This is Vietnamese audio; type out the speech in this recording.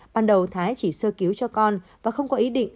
ban đầu thái chỉ sơ cứu cho con và không có ý định